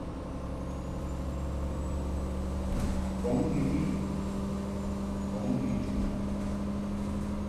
A bɔŋ ni miʼ mbɔŋ ni nchu.